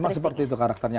memang seperti itu karakternya